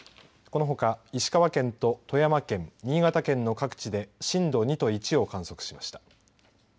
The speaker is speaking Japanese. このほか石川県と富山県新潟県の各地で震度２と１を観測しました。